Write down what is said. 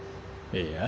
いや。